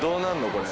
これ。